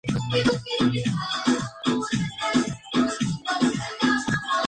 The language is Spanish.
Estudió en la prestigiosa escuela de interpretación Actor's Studio de Nueva York.